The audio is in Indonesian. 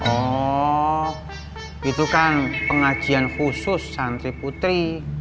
oh itu kan pengajian khusus santri putri